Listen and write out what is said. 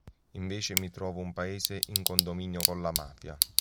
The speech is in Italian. Invece mi trovo un paese in condominio con la mafia.